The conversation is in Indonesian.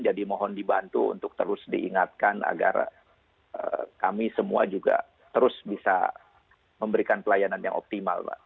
jadi mohon dibantu untuk terus diingatkan agar kami semua juga terus bisa memberikan pelayanan yang optimal pak